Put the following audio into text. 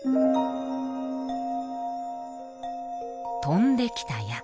飛んできた矢